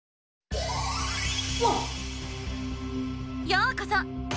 ようこそ！